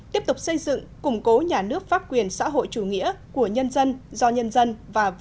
tiếp tục xây dựng củng cố nhà nước pháp quyền xã hội chủ nghĩa của nhân dân do nhân dân và